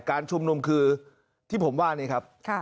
การชุมนุมคือที่ผมว่านี่ครับ